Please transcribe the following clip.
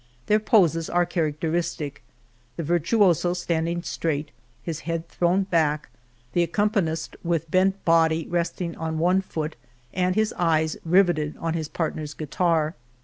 Their poses are characteristic — the virtuoso standing straight, his head thrown back, the accompanist with bent body resting on one foot and his eyes riveted on his partner's guitar.